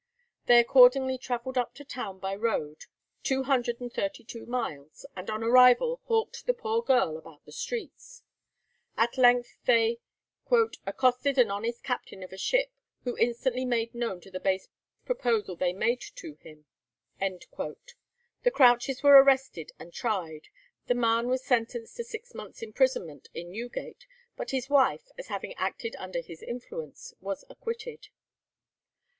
They accordingly travelled up to town by road, two hundred and thirty two miles, and on arrival hawked the poor girl about the streets. At length they "accosted an honest captain of a ship, who instantly made known the base proposal they had made to him." The Crouches were arrested and tried; the man was sentenced to six months' imprisonment in Newgate, but his wife, as having acted under his influence, was acquitted.